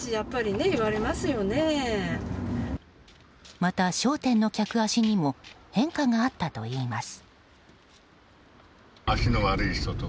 また、商店の客足にも変化があったといいます。